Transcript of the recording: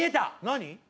何？